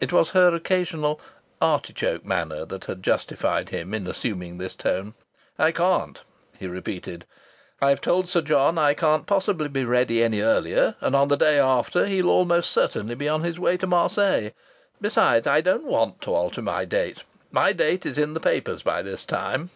It was her occasional "artichoke" manner that had justified him in assuming this tone. "I can't!" he repeated. "I've told Sir John I can't possibly be ready any earlier, and on the day after he'll almost certainly be on his way to Marseilles. Besides, I don't want to alter my date. My date is in the papers by this time."